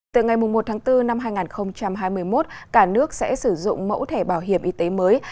từ ngày một tháng bốn năm hai nghìn hai mươi một cả nước sẽ sử dụng mẫu thẻ bảo hiểm y tế mới